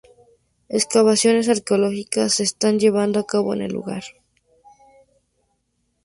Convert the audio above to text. Excavaciones arqueológicas se están llevando a cabo en el lugar.